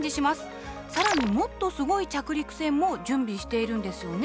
さらにもっとすごい着陸船も準備しているんですよね？